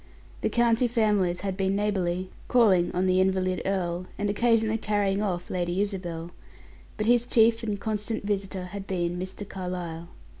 The county families had been neighborly, calling on the invalid earl, and occasionally carrying off Lady Isabel, but his chief and constant visitor had been Mr. Carlyle.